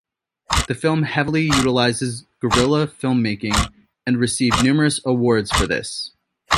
The film heavily utilizes guerrilla filmmaking and received numerous awards for this.